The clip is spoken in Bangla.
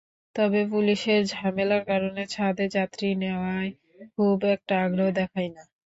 তবে পুলিশের ঝামেলার কারণে ছাদে যাত্রী নেওয়ায় খুব একটা আগ্রহ দেখাই না।